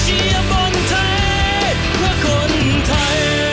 ดีแล้วครับ